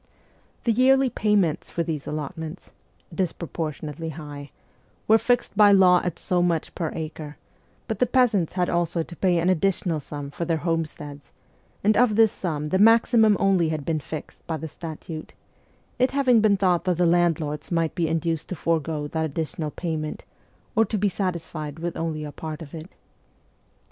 The yearly pay ments for these allotments (disproportionately high) were fixed by law at so much per acre ; but the peasants had also to pay an additional sum for their homesteads, and of this sum the maximum only had been fixed by the statute it having been thought that the landlords might be induced to forgo that additional payment, or to be satisfied with only a part of it.